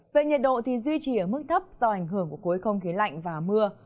về nhiệt độ duy trì ở mức thấp do ảnh hưởng của khối không khí lạnh và mưa